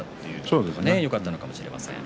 それがよかったのかもしれません。